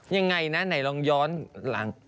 ยังไงนะไหนลองย้อนหลัง